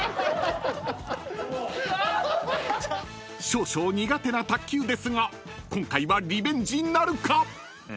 ［少々苦手な卓球ですが今回はリベンジなるか⁉］